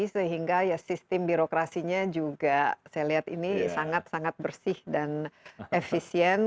sehingga ya sistem birokrasinya juga saya lihat ini sangat sangat bersih dan efisien